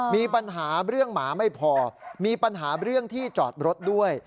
มีปัญหาเรื่องหมาไม่พอมีปัญหาเรื่องที่จอดรถด้วย